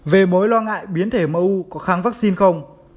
về mối lo ngại biến thể mou có kháng vắc xin không